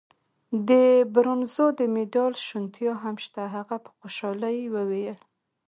د برونزو د مډال شونتیا هم شته. هغه په خوشحالۍ وویل.